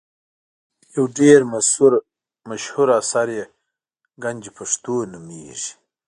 یو ډېر مشهور اثر یې ګنج پښتو نومیږي.